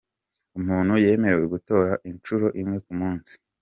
Umuntu yemerewe gutora inshuro imwe ku munsi.